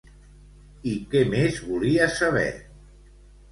I què més volia saber?